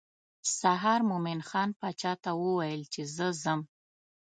سهار مومن خان باچا ته وویل چې زه ځم.